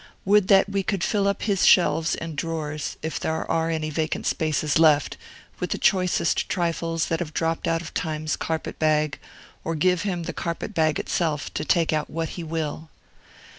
Would that we could fill up his shelves and drawers (if there are any vacant spaces left) with the choicest trifles that have dropped out of Time's carpet bag, or give him the carpet bag itself, to take out what he will!